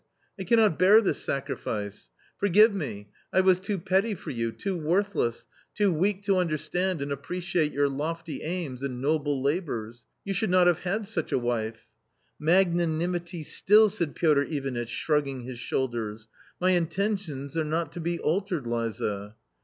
I cannot bear this sacri fice ! Forgive me ; I was too petty for you, too worthless, too weak to understand and appreciate your lofty aims and noble labours You should not have had such a wife." " Magnanimity still !" said Piotr Ivanitch, shrugging his shoulders. " My intentions are not to be altered, Liza